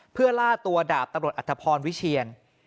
เพื่อล่าตัวดาบตำรวจอัตภพรวิเชียน